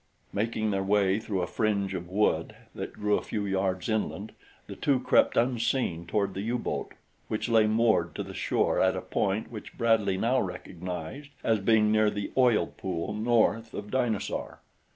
Making their way through a fringe of wood that grew a few yards inland the two crept unseen toward the U boat which lay moored to the shore at a point which Bradley now recognized as being near the oil pool north of Dinosaur.